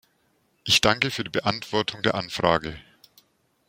Ich danke für die Beantwortung der Anfrage.